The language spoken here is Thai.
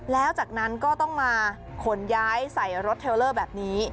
แล้วจากนั้นก็ต้องมาขนย้ายใส่รถเทลเลอร์แบบนี้